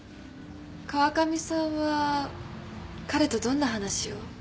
川上さんは彼とどんな話を？